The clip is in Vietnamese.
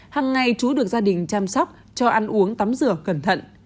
hằng ngày chú được gia đình chăm sóc cho ăn uống tắm rửa cẩn thận